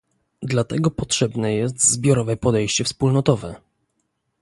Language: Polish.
Dlatego potrzebne jest zbiorowe podejście wspólnotowe